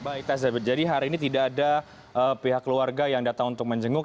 baik taza jadi hari ini tidak ada pihak keluarga yang datang untuk menjenguk